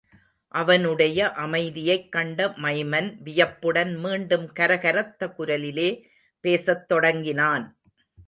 அவனுடைய அமைதியைக் கண்ட மைமன் வியப்புடன் மீண்டும் கரகரத்த குரலிலே பேசத் தொடங்கினான்.